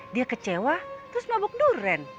dia kecewa terus mabuk durian